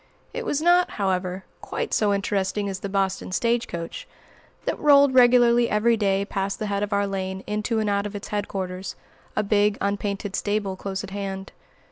It was not, however, quite so interesting as the Boston stage coach, that rolled regularly every day past the head of our lane into and out of its headquarters, a big, unpainted stable close at hand.